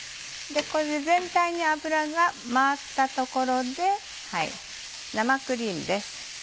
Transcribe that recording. これで全体に油が回ったところで生クリームです。